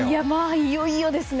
いよいよですね。